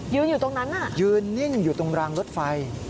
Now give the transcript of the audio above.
อยู่ตรงนั้นน่ะยืนนิ่งอยู่ตรงรางรถไฟ